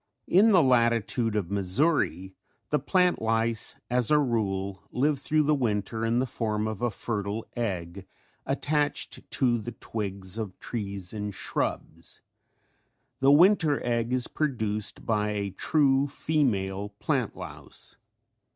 In the latitude of Missouri the plant lice as a rule live thru the winter in the form of a fertile egg attached to the twigs of trees and shrubs. The winter egg is produced by a true female plant louse.